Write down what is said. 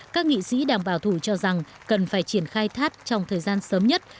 các nghị sĩ đảng bảo thủ cho rằng cần phải triển khai tháp trong thời gian sớm nhất